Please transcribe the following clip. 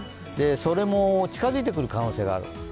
それも近づいてくる可能性がある。